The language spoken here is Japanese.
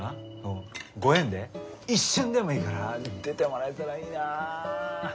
ご縁で一瞬でもいいから出てもらえたらいいなあ。